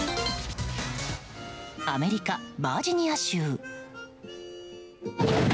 アメリカ・バージニア州。